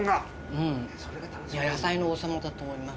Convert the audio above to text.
うん野菜の王様だと思います。